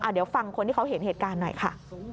เดี๋ยวฟังคนที่เขาเห็นเหตุการณ์หน่อยค่ะ